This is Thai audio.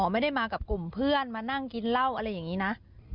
ไม่ได้มากับกลุ่มเพื่อนมานั่งกินเหล้าอะไรอย่างนี้นะ